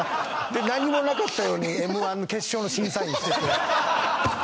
で、何もなかったようにＭ−１の決勝の審査員してて。